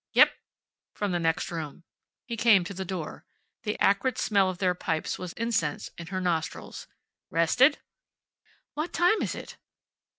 "Yep!" from the next room. He came to the door. The acrid smell of their pipes was incense in her nostrils. "Rested?" "What time is it?"